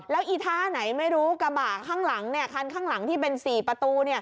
แล้วอีท่าไหนไม่รู้กระบะข้างหลังคันข้างหลังที่เป็น๔ประตู